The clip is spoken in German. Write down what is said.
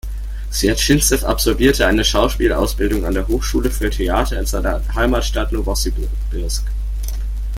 Swjaginzew absolvierte eine Schauspielausbildung an der Hochschule für Theater in seiner Heimatstadt Nowosibirsk.